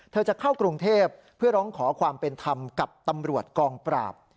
จะเข้ากรุงเทพเพื่อร้องขอความเป็นธรรมกับตำรวจกองปราบ